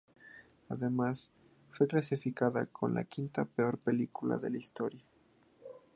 Además fue clasificada como la quinta peor película de la historia.